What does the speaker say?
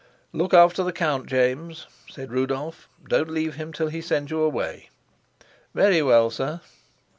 "Look after the count, James," said Rudolf. "Don't leave him till he sends you away." "Very well, sir."